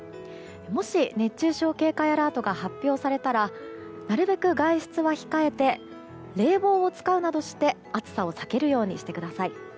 もし熱中症警戒アラートが発表されたらなるべく外出は控えて冷房を使うなどして暑さを避けるようにしてください。